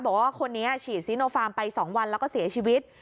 บอกว่าคนนี้ฉีดซีโนฟาร์มไป๒วันแล้วก็เสียชีวิต